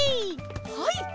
はい！